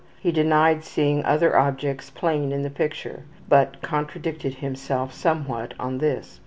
He denied seeing other objects plain in the picture, but contradicted himself somewhat on this.